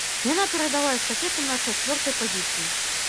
Яна перадала эстафету на чацвёртай пазіцыі.